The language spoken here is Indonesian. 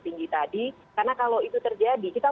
tinggi tadi karena kalau itu terjadi kita